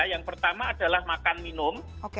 yang pertama adalah makan minum